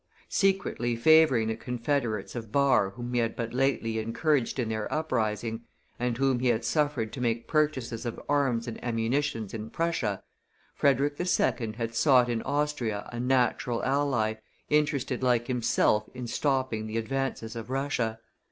Secretly favoring the confederates of Barr whom he had but lately encouraged in their uprising, and whom he had suffered to make purchases of arms and ammunition in Prussia, Frederick II. had sought in Austria a natural ally, interested like himself in stopping the advances of Russia.